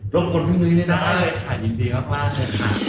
รบกวนพี่หนุ๊ยได้นะครับค่ะยินดีมากนะครับ